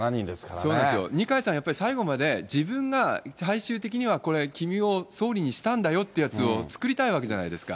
そうですよ、二階さんはやっぱり最後まで、自分が最終的にはこれ、君を総理にしたんだよっていうやつを作りたいわけじゃないですか。